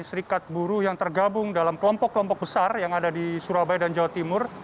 serikat buruh yang tergabung dalam kelompok kelompok besar yang ada di surabaya dan jawa timur